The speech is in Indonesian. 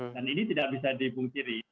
dan ini tidak bisa dibungkiri